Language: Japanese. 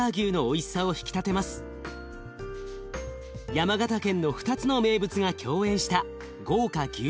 山形県の２つの名物が共演した豪華牛丼弁当。